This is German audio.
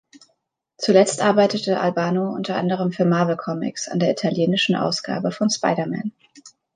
Zuletzt arbeitete Albano unter anderem für Marvel Comics an der italienischen Ausgabe von Spider-Man.